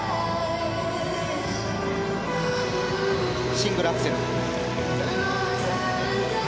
シングルアクセル。